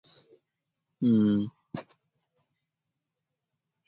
When built, ships of the "Royal Sovereign" class rolled too heavily under certain conditions.